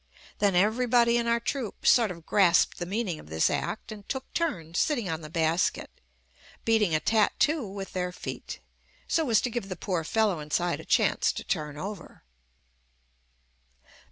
Then everybody in our troupe sort of grasped the meaning of this act and took turns sitting on the basket, beating a tattoo with their feet, so as to give the poor fellow in side a chance to turn over.